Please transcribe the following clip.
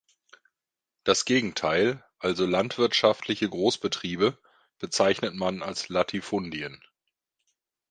Das Gegenteil, also landwirtschaftliche Großbetriebe, bezeichnet man als Latifundien.